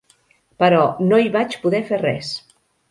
Però no hi vaig poder fer res.